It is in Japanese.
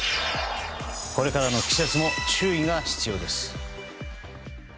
これからの季節も注意が必要です。